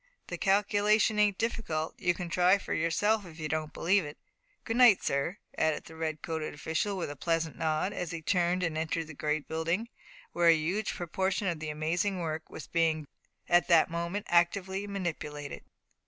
The calculation ain't difficult; you can try it for yourself if you don't believe it. Good night, sir," added the red coated official, with a pleasant nod, as he turned and entered the great building, where a huge proportion of this amazing work was being at that moment actively manipulated.